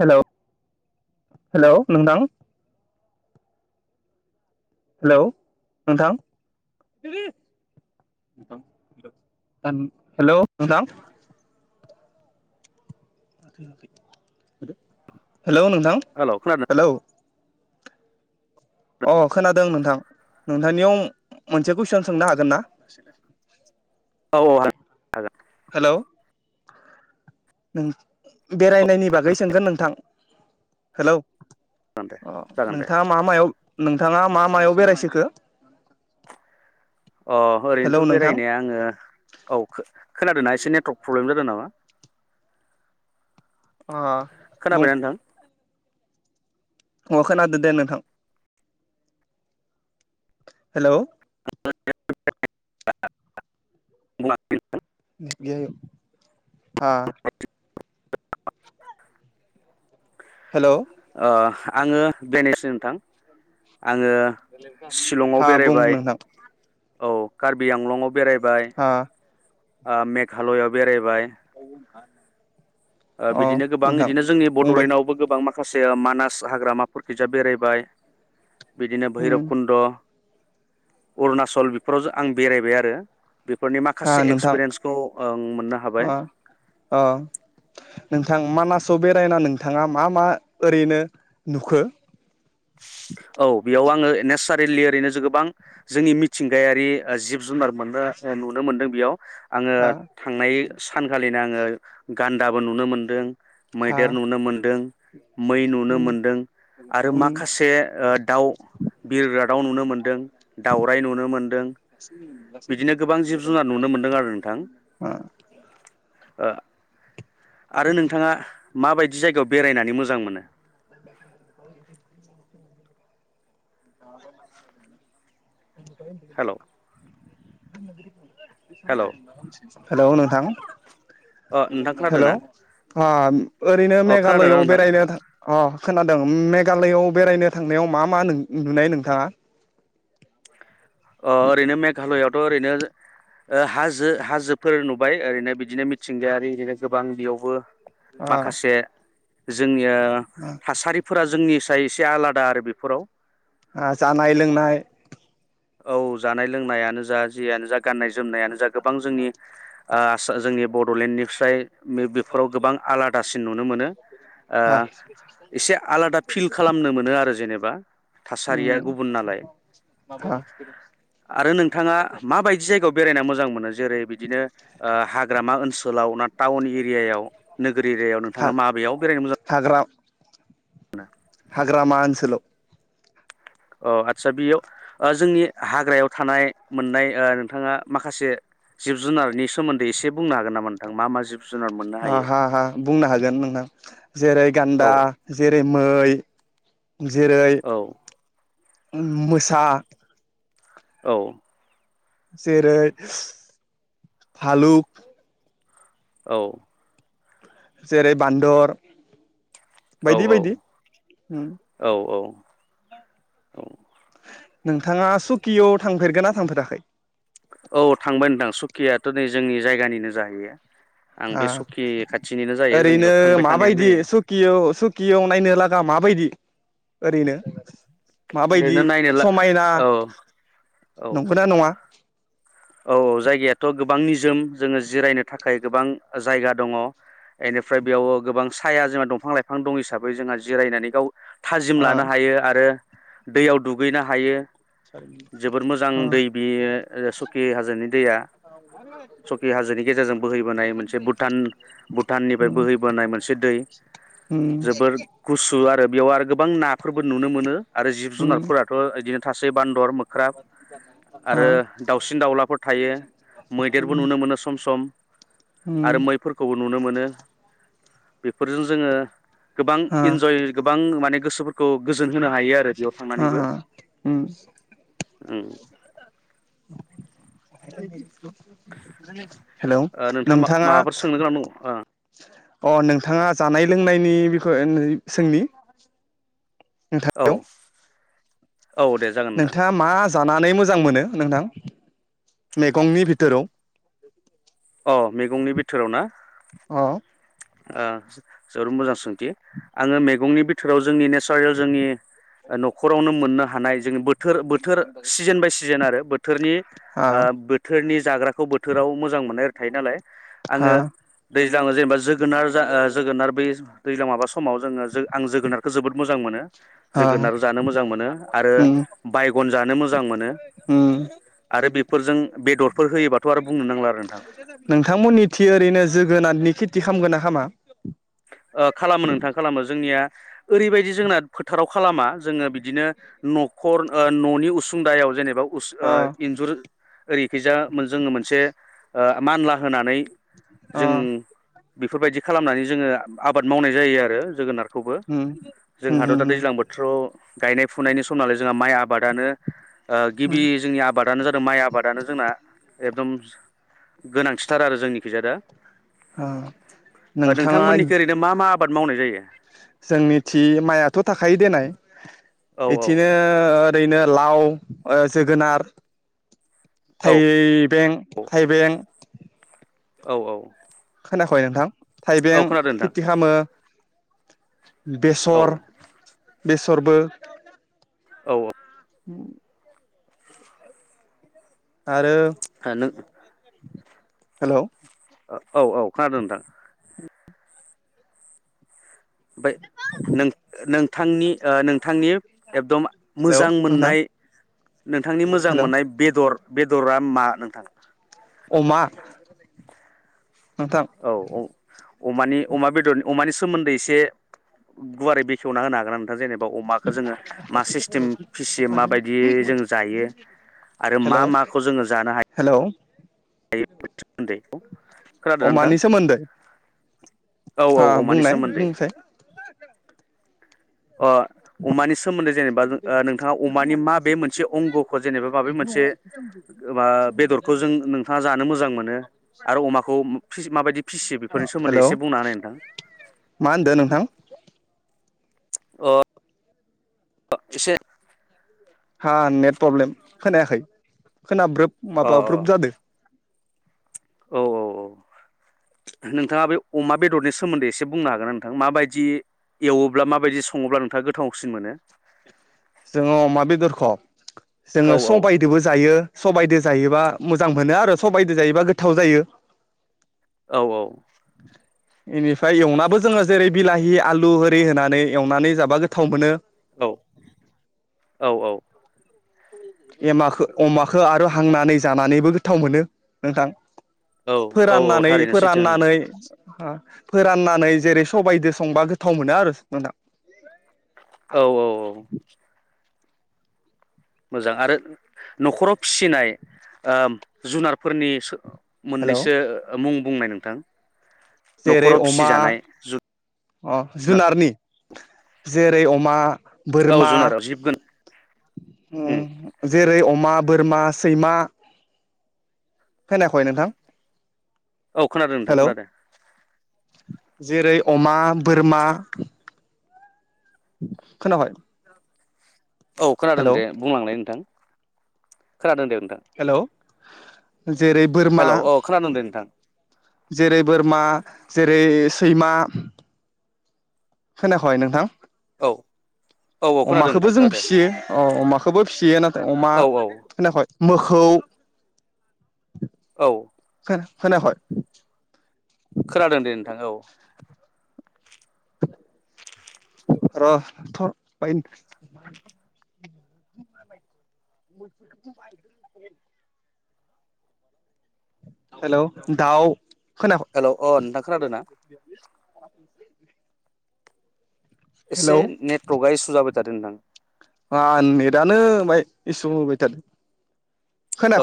Hello hello नोंथां hello नोंथां hello नोंथां। माथो होआखै। हेलौ नोंथां हेलौ खोनादों हेलौ अ खोनादों नोंथां नोंथांनियाव मोनसे कुइसन सोंनो हागोन ना? औ औ हागोन हेलौ बेरायनायनि बागै सोंगोन नोंथां हेलौ जागोन दे अ जागोन दे नोंथाङा मा मायाव नोंथाङा मा मायाव बेरायसोखो? अ हेलौ ओरैनोथ' नोंथां बेरायनाया आङो औ खोनादों ना एसे नेट्रक प्रब्लेम जादों नामा अ बुं खोनाबायना नोंथां अ खोनादो दे नोंथां हेलौ [unintelligible] [unintelligible] [unintelligible] हा हेल' ओ आङो बेनेस नोंथां आङो सिलंआव हा बुं बेरायबाय नोंथां औ खार बि आंलंआव बेरायबाय हा ओ मेघालयआव बेरायबाय [inaudible] ओ अ बिदिनो गोबां नोंथां बिदिनो जोंनि बुंबाय बड'लेण्डआवबो गोबां माख खासे मानास हाग्रामाफोरखैजा बेरायबाय बिदिनो भैरब उम कुन्द' अरुणचल बेफोराव जों आं बेरायबाय आरो बेफोरनि हा माखासे नोंथां एक्सपिरियेन्सखौ ओ मोननो हाबाय अ अ नोंथां मानासाव बेरायना नों थाङा मा मा ओरैनो नुखो औ बेयाव आङो नेसारेलि ओरैनो जों गोबां जोंनि मिथिंगायारि जिब जुनार मोननो नुनो मोनदों बेयाव आङो हा थांनाय सानखालिनो आङो गान्दाबो नुनो मोनदों हा मैदेर नुनो मोनदों [inaudible] मै नुनो उम मोनदों आरो उम माखा से दाउ बिरग्रा दाव नुनो मोनदों दाउराइ नुनो मोनदों बिदिनो गोबां जिब जुनार नुनो मोनदों आरो नोंथां ओ आरो नोंथाङा माबायदि जायगायाव बेरायनानै मोज मोजां मोनो। [unintelligible] हेलौ हेलौ [unintelligible] हेलौ नोंथां अ नोंथां खोनादोंना? ओम ओरैनो अ मेघालयआव नोंथां बेरायनो अ खोनादों मेघालयआव बेरायनो थांनायाव मा मा नुनाय नोंथाङा? अ ओरैनो मेघालयाव थ' ओरैनो हाजो हाजोफोर नुबाय ओरैनो बिदिनो मिथिंगायारि ओरैनो गोबां बेयावबो ओ माखासे जोंनि ओ ओ थासारिफोरा जों जोंनि साय एसे आलादा आरो बेफोराव ओ जानाय लोंनाय औ जानाय लोंनायानो जा जियानो जा गाननाय जोमनायानो जा गोबां आ जोंनि आसाम जोंनि बड'लेण्डनिफ्राय बेफोराव गोबां आलादासिन नुनो मोनो। ओ हा एसे आलादा फिल खालामनो मोनो आरो जेने बा। थासारिया उम गुबुन नालाय। हा आरो नोंथाङा माबायदि जायगायाव बेरायना मोजां मोनो जेरै बिदिनो हाग्रामा ओन सोलाव‌ ना टाउन एरियायाव नोगोर एरियायाव हा नोंथाङा माबेयाव बेरायनो मोजा [inaudible] [unintelligible] हाग्रामा ओनसोलाव अ आदसा बेयाव ओ जोंनि हाग्रायाव थानाय मोननाय ओ नोंथाङा माखासे जिब जुनारनि सोमोन्दै एसे बुंनो हागोन नामा नोंथां मा मा जिब जुनार मोननो अ हायो हा हा बुंनो हागोन नोंथां जेरै औ गान्दा जेरै मै जेरै औ मोसा औ जेरै फालुक औ जेरै बान्दर औ बायदि औ बायदि औ औ [inaudible] नोंथाङा सुकियाव थांफेरगो ना थांफेराखै। औ थांबाय नोंथां सुकियाथ' नै जोंनि जायगानिनो जाहैयो। आं बे हा सकि खाथिनिनो जायो ओरैनो जोंनियाव थांबाय थानायानो माबायदि जायो सुकियाव सुकियाव नायनो लागा माबायदि। ओरैनो। माबायदि ओरैनो नायनोला समायना औ औ नंखोना नङा। औ जायगायाथ' गोबां निजोम जोङो जिरायनो थाखाय गोबां जायगा दङ। एनिफ्राय बेयाव। गोबां साया जोंहा दंफां लाइफां दं हिसाबै जोंहा जिरायनानै गाव थाजिम आ लानो हायो आरो। दैयाव दुगैनो हायो। जोबोद मोजां आ दै बियो सकि हाजोनि दैया सकि हाजोनि गेजेरजों बोहैबोनाय मोनसेु भुटान-भुटाननिफ्राय उम बोहैबोनाय मोनसे दै उम जोबोर गुसु आरो बेयाव आरो गोबां नाफोरबो नुनो मोनो। आरो जिब उम जुनारफोराथ' [unintelligible] थासे बान्दर। [unintelligible] दावसिन दाउलाफोर थायो मैदेरबो उम नुनो मोनो सम सम उम आरो मैफोरखौबो नुनो मोनो। बेफोरजों जोङो। गोबां हा इन्जय गोबां माने - गोसोफोरखौ गोजोन होनो हायो आरो [unintelligible] हा थांनानैबो हा उम ओं। [inaudible] हेलौ ओ मा नोंथाङा। माबाफोर सोंनो गोनां दं अ नोंथाङा जानाय लोंनायनि बिख'यनो सोंनि? नोंथां औ। औ दे जागोन नोंथां। नोंथाङा मा जानानै मोजां मोनो नोंथां मैगंनि भिटोराव। अ मैगंनि भिथोराव ना? अ ओ जोबोर मोजां सोंथि। आङो मेगंनि बिथोराव जोंनि ने [unintelligible] न'खरावनो मोननो हानाय जोंङो बो थोर बोथोर सिजेन बाय सिजेन आरो बोथोरनि हा ओ बोथोरनि जाग्राखौ बोथोराव मोजां मोननाय आरो थायो नालाय आङो हा दैज्लाङाव जेनेबा जोग जोगोनार जोगोनार बे दैज्लां माबा समाव जोङो जो आं जोगोनारखौ जोबोद मोजां मोनो। हा जोगोनार जानो मोजां मोनो आरो उम बायगन जानो मोजां मोनो आरो फोरजों नोंथांमोननि थि ओरैनो जोगोनादनि खि थि खालामगोना खालामा खालामो नोंथां खालामो जोंनिया ओरैबायदि जोंना फोथाराव खालामा जोङो बिदिनो न'खर न'नि उसुंदायाव जेनेबा उस ओ अ इन्जुर ओरैखिजा मो जोङो मोनसे ओ मानला होनानै अ जों बेफोरबायदि खालामनानै जोङो आबाद मावनाय जायो आरो जोगोनार खौबो उम उम जोंहाथ' दा उम दैज्लां बोथोराव गायनाय फुनायनि सम नालाय जोंहा माइ आबादानो ओ गिबि उम जोंनि आबादानो जादों माइ आबादानो जोंना एकदम गोनांथिथार आरो जोंनिखिजा दा औ नोंथाङा नोंथांमोननिखै ओरैनो मा मा आबाद मावनाय जायो? जोंनि थि माइआथ' थाखायो देनाय औ औ एथिनो ओरैनो लाव जोगोनार थाइ औ बें थाइबें औ औ। खोनाखय नोंथां? औ थाइबें खोनादों नोंथां खेथि खालामो औ बेसर बेस'रबो औ औ होम। आरो नों हेल' ओ औ औ खोनादों नोंथां। ओमबाय नों ओ नों नोंथांनि ओ नोंथांनि। एकदम हेलौ मोजां नोंथां मोननाय नोंथांनि मोजां हेलौ मोननाय बेदर बे बेदरा मा नोंथां। अमा नोंथां औ औ। अमानि अमा बेदर अमानि सोमोन्दै एसे गुवारै बेखेवना होनो हागोन नोंथां जेनेबा अमाखौ जोङो मा सिस्टेम फिसिम माबायदि जों जायो आरो मा हेलौ माखौ जोङो जानो हायो। हेलौ सोमोन्दै खोनादों नोंथां अमानि सोमोन्दै औ औ अमानि बुंनाय सोमोन्दै बुंसै। अ अमानि सोमोन्दै जेनेबा नोंथाङा अमानि माबे मोनसे अंगखौ जेनेबा माबे मोनसे बेदरखौ जों नोंथाङा जानो मोजां मोनो आरो अमाखौ माबायदि फिसियो बेफोरनि सोमोन्दै हेलौ एसे बुंनो हानाय नोंथां। मा होनदो नोंथां अ। एसे। हा नेट प्रब्लेम खोनायाखै। खोनाब्रोब अ माबा अ ब्रोब ज जादों। औ औ औ नोंथाङा बे अमा बेदरनि सोमोन्दै एसे बुंनो हागोन नोंथां माबायदि एवोब्ला माबायदि सङोब्ला नोंथाङा गोथावसिन मोनो जोङो अमा बेदरखौ। औ जोङो औ सबायदोंबो जायो। सबायाइजों जायोबा मोजां मोनो आरो सबाइद जायोबा गोथाव जायो। औ औ। बेनिफ्राय एवनाबो जोङो जेरै बिलाहि आलु ओरि होनानै एवनानै जाबा गोथाव मोनो। औ औ औ। एमाखौ अमाखौ आरो हांनानै जानानैबो गोथाव मोनो नोंथां। औ औ औ फोराननानै थारैनो सैथो फोराननानै। ओ फोराननानै जेरै सबायाइजों संबा गोथाव मोनो आरो नोंथां। औ औ औ। मोजां आरो नखराव फिसिनाय ओ जुनारफोरनि। हेलौ मोननैसो मुं। बुंनाय नोंथां। जेरै न'खराव अमा फिसिजानाय अ जुनार जुनारनि जेरै अमा। औ बोरमा जुनार जिब गोन जेरै अमा बोरमा सैमा खोनायाखै नोंथां। औ खोनादों नोंथां हेलौ खोनादों। जेरै अमा बोरमा खोनाबाय? औ खोनादों हेलौ दे बुंलांलाय नोंथां। खोनादों दे नोंथां। हेलौ जेरै बोरमा हेलौ औ खोनादों दे नोंथां जेरै बोरमा जेरै सैमा खोनायाखै नोंथां? औ औ खोनादों अमाखौबो नोंथां जों खोनादों फिसियो औ अमाखौबो फियो नाथाय अमा, औ औ खोनायाखै? मोखौ औ। खोनायाखै? खोनादों दे नोंथां औ [inaudible] र थ बाय। हेल, दाव हेलौ अ' नोंथां खोनादों ना? एसे हेलौ नेटवर्कआ इसु जाबाय थादों नोंथां। आ नेटानो बाय इसु होबाय थादों।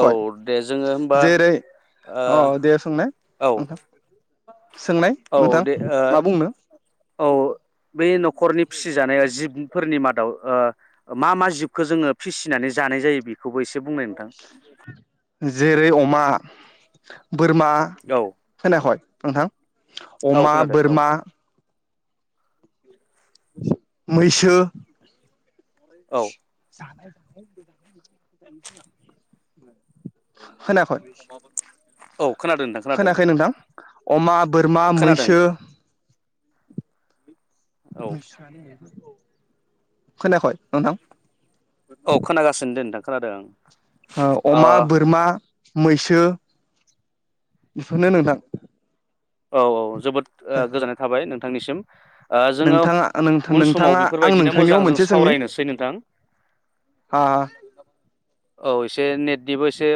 औ दे जोङो होमबा जेरै ओ औ, दे सोंनाय औ नोंथां? [unintelligible] औ नोंथां दे ओ मा बुंनो औ बै नखरनि फिसिजानाया जिबफोरनि माद दाउ ओ मा मा जिबखौ जोङो फिसिनानै जानाय जायो बे खौबो एसे बुंनाय नोंथां। जेरै अमा, बोरमा, औ होनायाखै नोंथां। औ अमा खोनादों औ बोरमा मैसो [unintelligible] औ [unintelligible] खोनायाखै? औ खोनादों नोंथां खोनादों। नोंथां अमा बोरमा खोनादों मैसो औ [unintelligible] खोनायाखै नोंथां। अ खोनागासिनो दे नोंथां खोनादों आं ओ अमा बोरमा मैसो बेफोरनो नोंथां औ औ जोबोद ओ गोजोननाय थाबाय नों नोंथांनि सिम। नोंथाङा नोंथाङा आं बेफोरबायदिनो मोजां नोंथांनियाव जों मोनसे सोंनि सावरायनोसै नोंथां आ औ एसे नेटनिबो एसे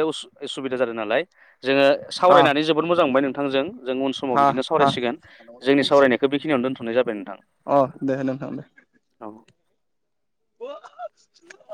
उसुबिदा जादों नालाय। जोङो हा सावरायनानै जोबोद मोजां मोनबाय नों नोंथां जों जों उन समाव हा बिदिनो हा सावरायसिगोन जोंनि सावरायनायखौ बेखिनियावनो दोन फुनाय जादों। अ दे होन नोंथां दे। औ [inaudible]